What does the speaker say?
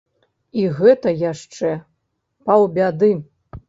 І гэта яшчэ паўбяды.